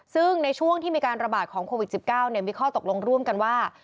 ซึ่งในช่วงที่มีการระบาดของโควิด๑๙มีข้อตกลงร่วมกันว่า